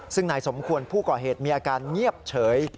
ซึ่งนายสมควรผู้ก่อเหตุมีอาการเงียบเฉย